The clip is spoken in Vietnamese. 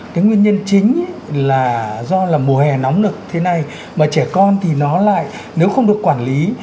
cái nguyên nhân chính là do là mùa hè nóng nực thế này mà trẻ con thì nó lại nếu không được quản lý